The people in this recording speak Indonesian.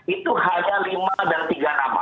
itu hanya lima dan tiga nama